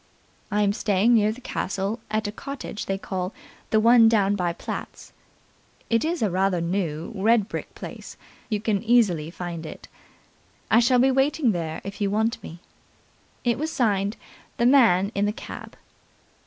"I am staying near the castle at a cottage they call 'the one down by Platt's'. It is a rather new, red brick place. You can easily find it. I shall be waiting there if you want me." It was signed "The Man in the Cab".